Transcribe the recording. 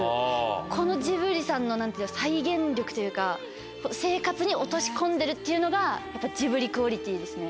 このジブリさんの再現力というか生活に落とし込んでるっていうのがジブリクオリティーですね。